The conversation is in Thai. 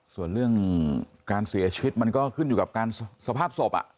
ส่วนเรื่องการเสียชีวิตมันก็ขึ้นอยู่กับการสภาพศพ